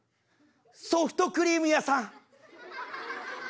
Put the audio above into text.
「ソフトクリーム屋さん」。